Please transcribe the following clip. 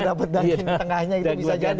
dapat daging tengahnya gitu bisa jadi